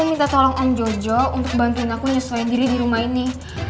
aku minta tolong om jojo untuk bantuin aku nyeselain diri di rumah ini